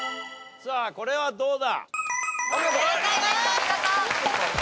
さあこれどうだ？